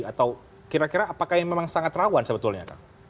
atau kira kira apakah ini memang sangat rawan sebetulnya kang